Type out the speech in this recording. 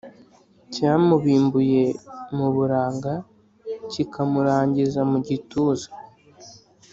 Cyamubimbuye mu buranga Kikamurangiza mu gituza,